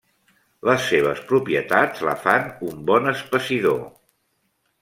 Les seves propietats la fan un bon espessidor.